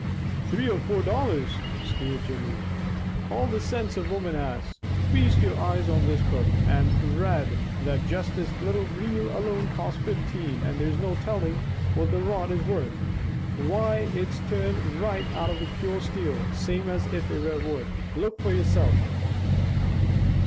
"Three or four dollars," sneered Jimmy. "All the sinse a woman has! Feast your eyes on this book and rade that just this little reel alone cost fifteen, and there's no telling what the rod is worth. Why it's turned right out of pure steel, same as if it were wood. Look for yoursilf."